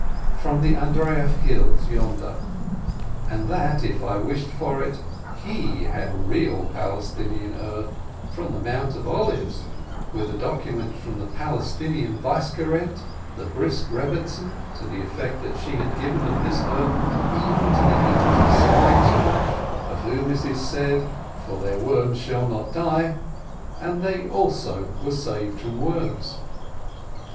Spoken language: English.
from the Andreiyeff Hills yonder, and that if I wished for it, he had real Palestinian earth, from the Mount of Olives, with a document from the Palestinian vicegerent, the Brisk Rebbetzin, to the effect that she had given of this earth even to the eaters of swine's flesh, of whom it is said, "for their worm shall not die," and they also were saved from worms.